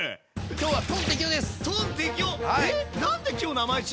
今日はトン・テキオです！